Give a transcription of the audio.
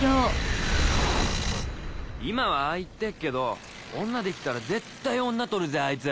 今はああ言ってっけど女できたら絶対女取るぜあいつ。